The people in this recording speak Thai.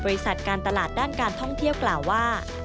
บริษัทการตลาดด้านการท่องเที่ยวกล่าวว่า